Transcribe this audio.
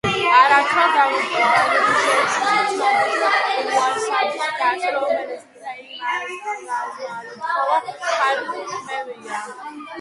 არაქელ დავრიჟეცის ცნობით, ლუარსაბის დას, რომელიც თეიმურაზმა ითხოვა ფარი რქმევია.